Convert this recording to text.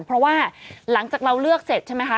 เพราะว่าหลังจากเราเลือกเสร็จใช่ไหมคะ